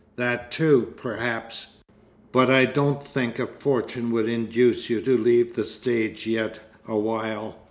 "That too, perhaps but I don't think a fortune would induce you to leave the stage yet a while.